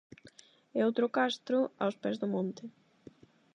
E outro castro aos pés do monte.